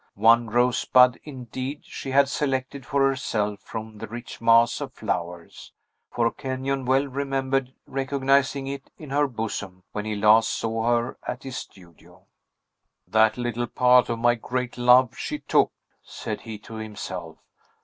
One rosebud, indeed, she had selected for herself from the rich mass of flowers; for Kenyon well remembered recognizing it in her bosom when he last saw her at his studio. "That little part of my great love she took," said he to himself.